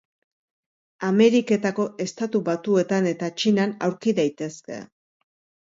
Ameriketako Estatu Batuetan eta Txinan aurki daitezke.